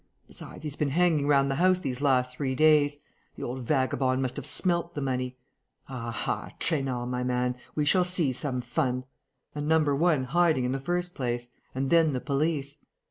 Besides, he's been hanging round the house these last three days. The old vagabond must have smelt the money. Aha, Trainard, my man, we shall see some fun! A number one hiding in the first place; and then the police....